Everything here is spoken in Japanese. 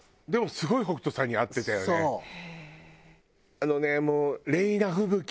あのねもう。